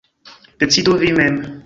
Decidu vi mem.